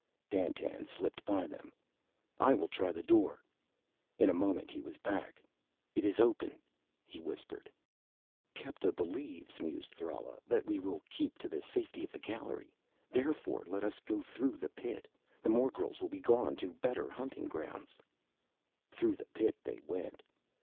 Dandtan slipped by them. "I will try the door." In a moment he was back. "It is open," he whispered. "Kepta believes," mused Thrala, "that we will keep to the safety of the gallery. Therefore let us go through the pit. The morgels will be gone to better hunting grounds." Through the pit they went.